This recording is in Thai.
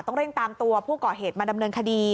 ต้องเร่งตามตัวผู้ก่อเหตุมาดำเนินคดี